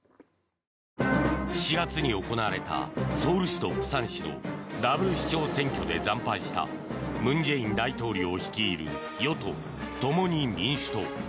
４月に行われたソウル市と釜山市のダブル市長選挙で惨敗した文在寅大統領率いる与党・共に民主党。